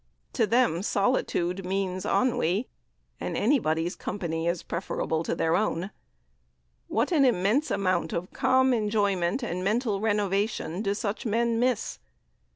To them solitude means ennui, and anybody's company is preferable to their own. What an immense amount of calm enjoyment and mental renovation do such men miss.